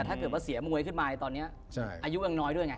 ถ้าเกิดว่าเสียมวยขึ้นมาตอนนี้อายุยังน้อยด้วยไง